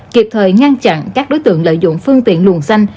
kiệp thời ngăn chặn các đối tượng lợi dụng phương tiện luồng xanh